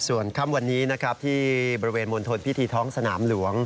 ส่วนค่ำวันนี้นะครับที่บริเวณมณฑลพิธีท้องสนามหลวง